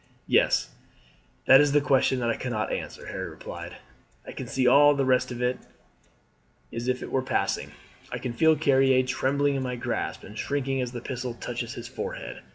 "Yes, that is the question that I cannot answer," Harry replied. "I can see all the rest as if it were passing. I can feel Carrier trembling in my grasp, and shrinking as the pistol touches his forehead.